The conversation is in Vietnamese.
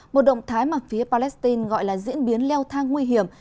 một động thái mà phía palestine gọi là diễn biến leo thang nguy hiểm